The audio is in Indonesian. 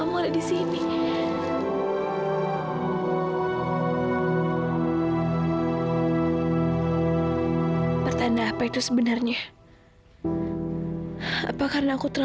sampai jumpa di video selanjutnya